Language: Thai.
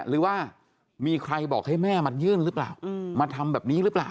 หรือว่ามีใครบอกให้แม่มายื่นหรือเปล่ามาทำแบบนี้หรือเปล่า